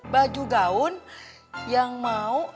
baju gaun yang mau